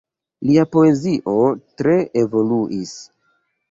Lia poezio tre evoluis.